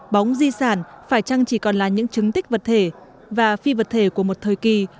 bóng di sản phải chăng chỉ còn là những chứng tích vật thể và phi vật thể của một thời kỳ